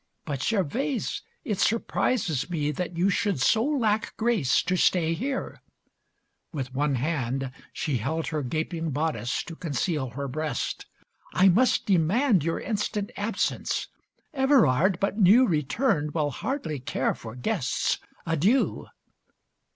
But, Gervase, it surprises me that you Should so lack grace to stay here." With one hand She held her gaping bodice to conceal Her breast. "I must demand Your instant absence. Everard, but new Returned, will hardly care for guests. Adieu."